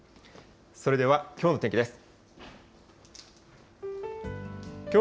それではきょうの天気です。